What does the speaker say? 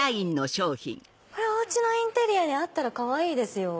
お家のインテリアにあったらかわいいですよ。